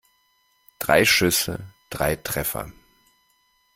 Drei Schüsse, drei Treffer.